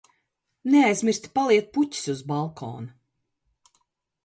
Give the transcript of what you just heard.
Neaizmirsi paliet puķes uz balkona!